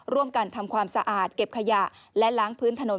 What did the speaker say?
ร่วมกันทำความสะอาดเก็บขยะและล้างพื้นถนน